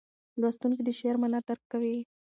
لوستونکی د شعر معنا درک کوي.